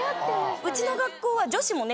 うちの学校は。